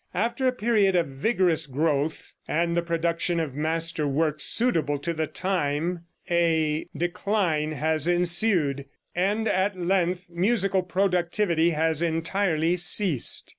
After a period of vigorous growth and the production of master works suitable to the time, a decline has ensued, and at length musical productivity has entirely ceased.